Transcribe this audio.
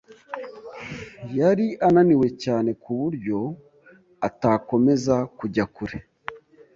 Yari ananiwe cyane ku buryo atakomeza kujya kure.